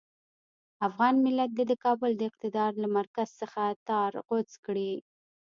افغان ملت دې د کابل د اقتدار له مرکز څخه تار غوڅ کړي.